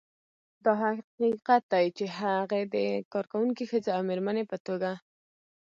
دا حقیقت چې هغې د کارکونکې ښځې او مېرمنې په توګه